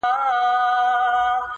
• ماته د مار خبري ډيري ښې دي.